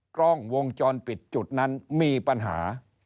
กล้องวงจรปิดจุดนั้นมีปัญหา